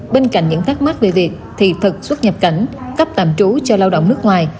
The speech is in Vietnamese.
bên cạnh những thắc mắc về việc thị thực xuất nhập cảnh cấp tạm trú cho lao động nước ngoài